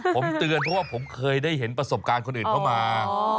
ผมเตือนเพราะว่าผมเคยได้เห็นประสบการณ์คนอื่นเข้ามา